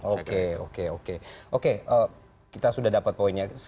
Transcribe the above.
oke oke oke kita sudah dapat poinnya